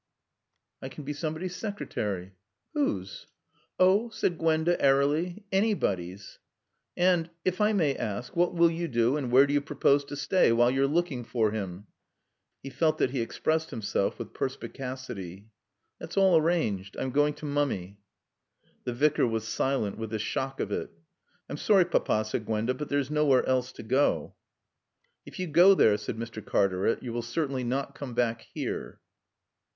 "I can be somebody's secretary." "Whose?" "Oh," said Gwenda airily, "anybody's." "And if I may ask what will you do, and where do you propose to stay, while you're looking for him?" (He felt that he expressed himself with perspicacity.) "That's all arranged. I'm going to Mummy." The Vicar was silent with the shock of it. "I'm sorry, Papa," said Gwenda; "but there's nowhere else to go to." "If you go there," said Mr. Cartaret, "you will certainly not come back here."